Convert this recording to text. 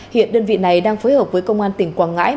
hiện đơn vị này đang phối hợp với công an tỉnh quảng ngãi